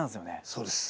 そうです。